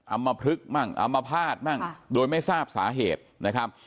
มพลึกมั่งอัมพาตมั่งโดยไม่ทราบสาเหตุนะครับ